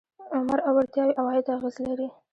عمر او وړتیاوې عوایدو اغېز لري.